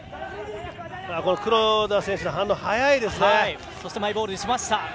黒田選手の反応早いですね。